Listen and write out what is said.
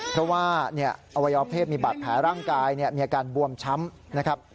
เพราะว่าอวัยวเพศมีบาดแผลร่างกายมีอาการบวมช้ำนะครับ